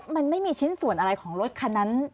มันไม่มีชิ้นส่วนอะไรของรถคันนั้น